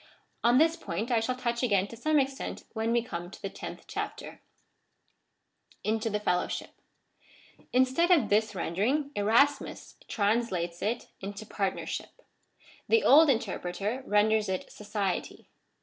On this point I shall touch ao ain to some extent when we come to the tenth chapter. Ci^ «^ /o '. /u Into the felloivship. Instead of this rendering Erasmus translates it into partnership. The old interpreter renders it society.